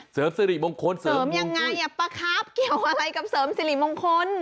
เสริมสิริมงคลเสริมยังไงประคับเกี่ยวอะไรกับเสริมสิริมงคล